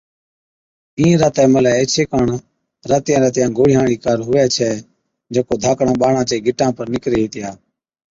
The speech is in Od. اِين راتَي ملَي ايڇي ڪاڻ راتِيان راتِيان گوڙهِيان هاڙِي ڪار هُوَي ڇَي جڪو ڌاڪڙان ٻاڙان چي گٽان پر نِڪري هِتِيا۔